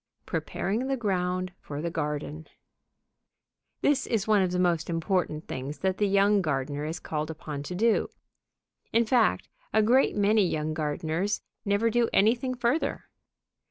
Preparing the Ground for the Garden This is one of the most important things that the young gardener is called upon to do. In fact, a great many young gardeners never do anything further.